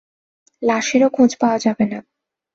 লাশেরও খোঁজ পাওয়া যাবে না।